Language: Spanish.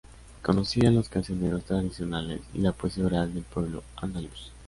Conocía los cancioneros tradicionales y la poesía oral del pueblo andaluz.